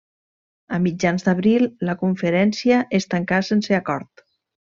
A mitjans d'abril la conferència es tancà sense acord.